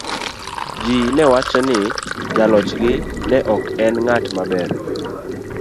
Ji ne wacho ni jalochgi ne ok en ng'at maber.